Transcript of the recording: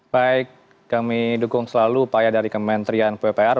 baik kami dukung selalu upaya dari kementerian pupr